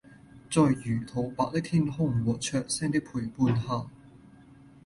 在魚肚白的天空和雀聲陪伴下